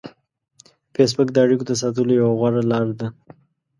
فېسبوک د اړیکو د ساتلو یوه غوره لار ده